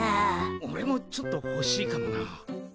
オレもちょっとほしいかもな。